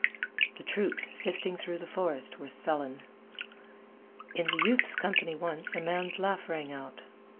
The troops, sifting through the forest, were sullen. In the youth's company once a man's laugh rang out.